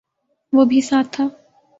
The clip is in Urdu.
وہ بھی ساتھ تھا